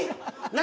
何？